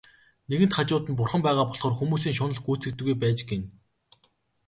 Нэгэнт хажууд нь Бурхан байгаа болохоор хүмүүсийн шунал гүйцэгддэггүй байж гэнэ.